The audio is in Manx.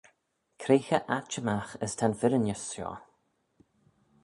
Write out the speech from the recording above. Cre cho atçhimagh as ta'n firrinys shoh!